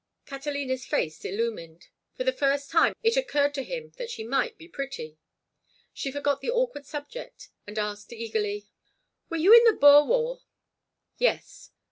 Catalina's face illumined. For the first time it occurred to him that she might be pretty. She forgot the awkward subject, and asked, eagerly: "Were you in the Boer War?" "Yes."